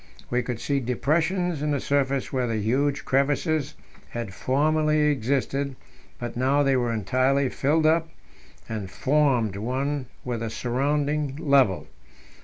We could see depressions in the surface where the huge crevasses had formerly existed, but now they were entirely filled up, and formed one with the surrounding level.